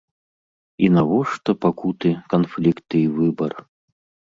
І навошта пакуты, канфлікты й выбар?